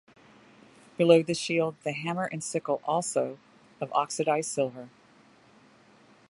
Below the shield, the hammer and sickle also of oxydised silver.